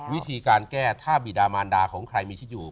วิธีการแก้ถ้าบิดามานดาของใครมีคิดอยู่